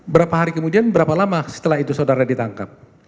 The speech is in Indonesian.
berapa hari kemudian berapa lama setelah itu saudara ditangkap